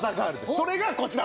それがこちら！